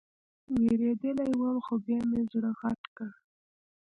وېرېدلى وم خو بيا مې زړه غټ کړ.